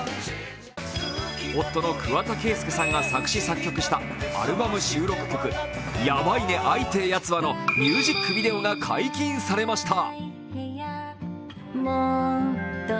夫の桑田佳祐さんが作詞作曲したアルバム収録曲「ヤバいね愛てえ奴は」のミュージックビデオが解禁されました。